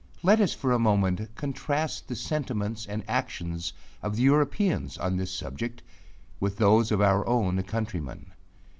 Let us for a moment contrast the sentiments and actions of the Europeans on this subject, with those of our own countrymen.